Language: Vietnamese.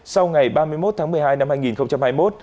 sau ngày ba mươi một tháng một mươi hai năm hai nghìn hai mươi một